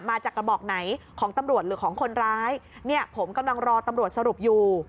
มาจากกระบอกไหนของตำรวจหรือของคนร้ายเนี่ยผมกำลังรอตำรวจสรุปอยู่